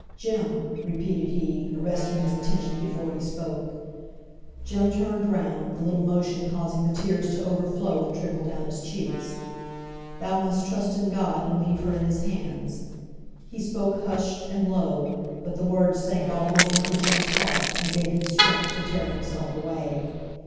"Jem!" repeated he, arresting his attention before he spoke. Jem turned round, the little motion causing the tears to overflow and trickle down his cheeks. "Thou must trust in God, and leave her in His hands." He spoke hushed, and low; but the words sank all the more into Jem's heart, and gave him strength to tear himself away.